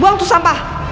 buang tuh sampah